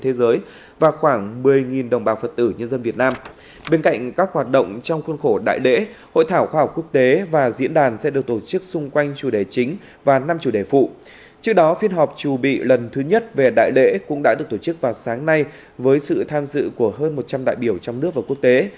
trú tại xã nghi phong huyện nghi phong huyện nghi phong huyện nghi phong huyện nghi phong hội đại lễ cũng đã được tổ chức vào sáng nay với sự tham dự của hơn một trăm linh đại biểu trong nước và quốc tế